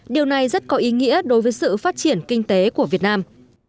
điều này rất có ý nghĩa đối với sự phát triển kinh tế của việt nam